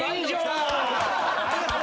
ありがとう！